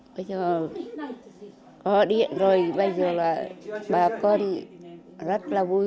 bây giờ có điện rồi bây giờ là bà con thì rất là vui